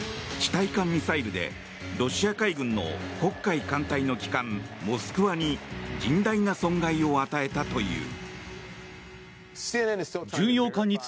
対艦ミサイルでロシア海軍の黒海艦隊の旗艦「モスクワ」に甚大な損害を与えたという。